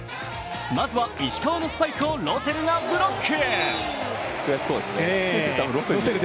まずは石川のスパイクをロセルがブロック。